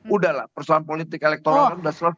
udah lah persoalan politik elektronik kan sudah selesai